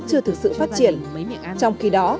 chưa thực sự phát triển trong khi đó